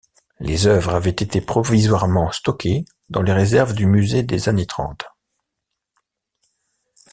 Les œuvres avaient été provisoirement stockées dans les réserves du musée des Années Trente.